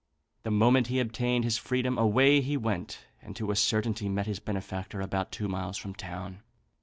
The moment he obtained his freedom away he went, and to a certainty met his benefactor about two miles from town.